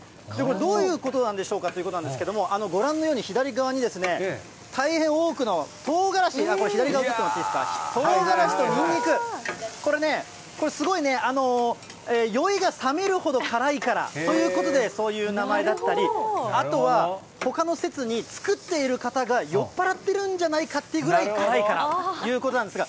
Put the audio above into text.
どういうことなんでしょうかということなんですけれども、ご覧のように、左側に大変多くのトウガラシ、これ、左側、ちょっといいですか、トウガラシとニンニク、これね、これすごいね、酔いがさめるほど辛いからということで、そういう名前だったり、あとは、ほかの説に作っている方が酔っ払ってるんじゃないかというぐらい辛いからということなんですが。